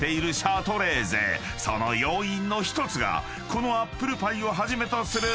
［その要因の１つがこのアップルパイをはじめとする］